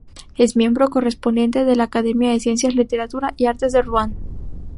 Es miembro correspondiente de la Academia de Ciencias, Literatura y Artes de Ruan.